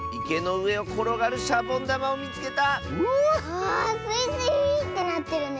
あスイスイーってなってるね。